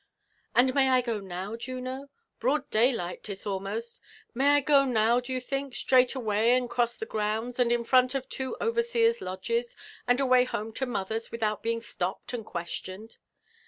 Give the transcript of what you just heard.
And may I go now, Juno? — broad daylight 'lis almost, — may I got now, do you think, straight away and cross the grounds, and in front of two overseers' lodges, and away home to mother's, without being stopped and questioned?''